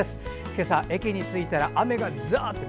今朝、駅に着いたら雨がザーッと。